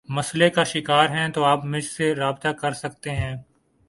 مسلئے کا شکار ہیں تو آپ مجھ سے رابطہ کر سکتے ہیں